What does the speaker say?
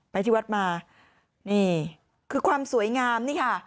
ไปที่วัดมานี่คือความสวยงามนี่ค่ะ